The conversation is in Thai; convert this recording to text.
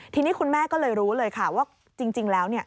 ทีนี้คุณแม่ก็เลยรู้เลยค่ะว่าจริงแล้ว